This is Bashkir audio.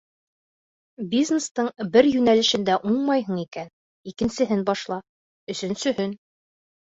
Бизнестың бер йүнәлешендә уңмайһың икән, икенсеһен башла, өсөнсөһөн...